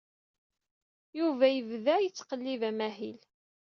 Yuba yebda yettqellib amahil.